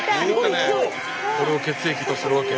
これを血液とするわけ？